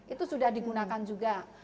itu sudah digunakan juga